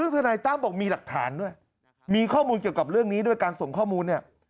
ทนายตั้มบอกมีหลักฐานด้วยมีข้อมูลเกี่ยวกับเรื่องนี้ด้วยการส่งข้อมูลเนี่ย